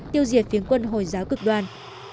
tiêu diệt phiến quân hồi giáo cực đoan